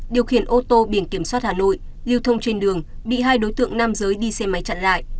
điều khiển ô tô biển kiểm soát hà nội lưu thông trên đường bị hai đối tượng nam giới đi xe máy chặn lại